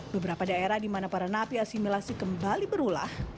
beberapa daerah di mana para napi asimilasi kembali berulah